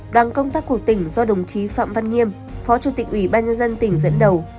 đoàn công tác của tỉnh do đồng chí phạm văn nghiêm phó chủ tịch ubnd tỉnh dẫn đầu